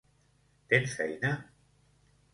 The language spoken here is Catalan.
Tens feina?